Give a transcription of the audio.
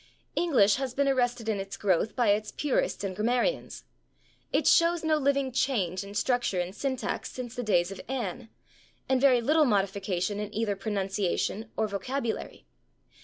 English has been arrested in its growth by its purists and grammarians. It shows no living change in structure and syntax since the days of Anne, and very little modification in either pronunciation or vocabulary.